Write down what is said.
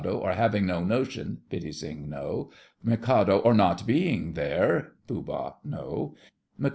Or having no notion—— PITTI. No! MIK. Or not being there—— POOH. No! MIK.